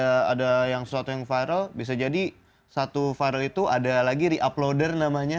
reuploader itu ada di youtube trending itu ada yang suatu yang viral bisa jadi satu viral itu ada lagi reuploader namanya